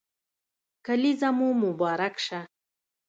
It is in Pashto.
کلېزه مو مبارک شه